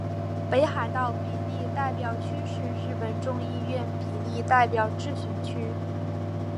北海道比例代表区是日本众议院比例代表制选区。